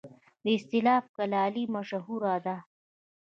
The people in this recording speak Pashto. د استالف کلالي مشهوره ده